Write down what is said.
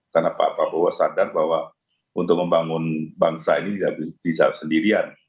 karena pak prabowo sadar bahwa untuk membangun bangsa ini tidak bisa sendirian